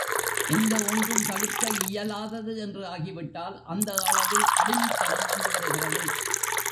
எந்த ஒன்றும் தவிர்க்க இயலாதது என்று ஆகிவிட்டால் அந்த அளவில் அடிமைத்தனம் வந்து விடுகிறது.